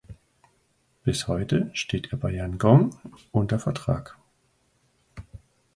Bis heute steht er bei Yangon unter Vertrag.